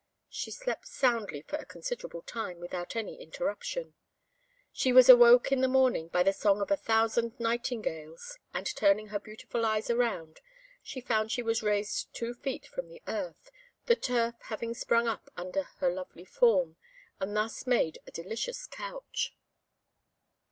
She slept soundly for a considerable time, without any interruption. She was awoke in the morning by the song of a thousand nightingales, and, turning her beautiful eyes around, she found she was raised two feet from the earth, the turf having sprung up under her lovely form, and thus made a delicious couch.